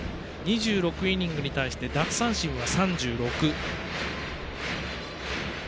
２６イニングに対して奪三振は３６。